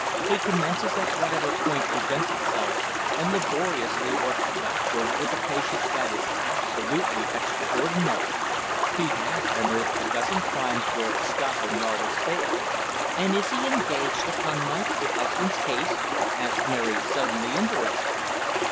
He commences at whatever point presents itself, and laboriously works backwards with a patience that is absolutely extraordinary. He has unearthed a dozen crimes where Scotland Yard has failed." "And is he engaged upon my poor husband's case?" asked Mary, suddenly interested.